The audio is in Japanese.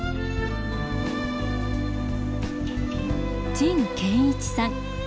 陳建一さん。